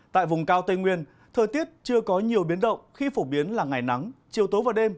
tại vùng cao tây nguyên thời tiết chưa có nhiều biến động khi phổ biến là ngày nắng chiều tối và đêm